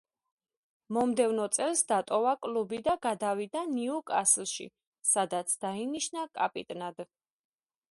მომდევნო წელს დატოვა კლუბი და გადავიდა „ნიუკასლში“, სადაც დაინიშნა კაპიტნად.